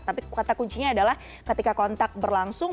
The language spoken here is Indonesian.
tapi kata kuncinya adalah ketika kontak berlangsung